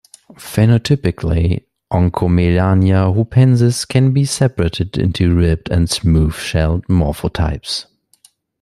Phenotypically, "Oncomelania hupensis" can be separated into ribbed- and smooth- shelled morphotypes.